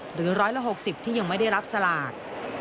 หรือร้อยละ๖๐ที่ยังไม่ได้รับสลาก